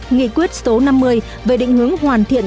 nghị quyết số năm mươi về định hướng hoàn thiện